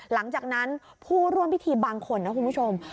หลังจากนั้นผู้ร่วมพิธีบางคนนะคุณผู้ชม